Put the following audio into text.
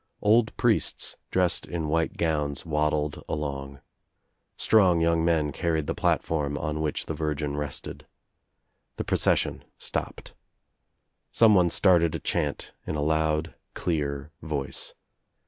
Old priests dressed in white gowns waddled along. Strong young men carried the platform on which the Virgin rested. The procession stopped. Someone started a chant in a loud clear voice.